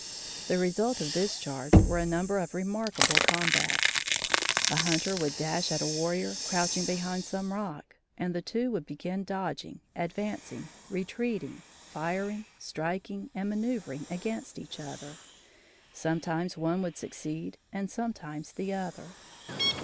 The result of this charge were a number of remarkable combats. A hunter would dash at a warrior crouching behind some rock, and the two would begin dodging, advancing, retreating, firing, striking and manoeuvering against each other. Sometimes one would succeed and sometimes the other.